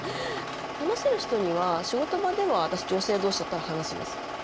話せる人には仕事場では私女性同士だったら話します。